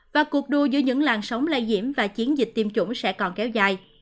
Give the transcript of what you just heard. và cuộc đua giữa những làn sóng lai diễm và chiến dịch tiêm chủng sẽ còn kéo dài